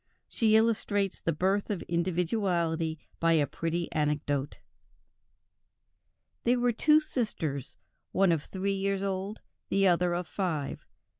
She illustrates the birth of individuality by a pretty anecdote: "There were two sisters, one of three years old, the other of five.